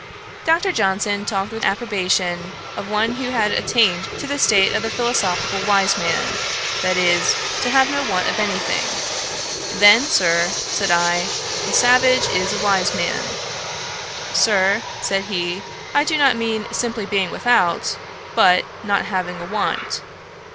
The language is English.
Dr. Johnson talked with approbation of one who had attained to the state of the philosophical wise man, that is, to have no want of any thing. 'Then, Sir, (said I,) the savage is a wise man.' 'Sir, (said he,) I do not mean simply being without, but not having a want.'